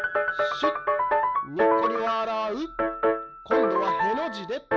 こんどは「へ」のじで。